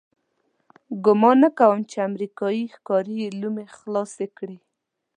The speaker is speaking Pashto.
ګمان نه کوم چې امریکایي ښکاري یې لومې خلاصې کړي.